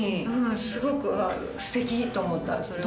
すごくステキ！と思ったそれは。